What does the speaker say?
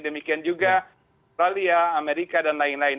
demikian juga australia amerika dan lain lain